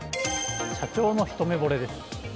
社長のひと目ぼれです。